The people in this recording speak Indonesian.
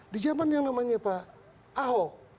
di zaman yang namanya pak ahok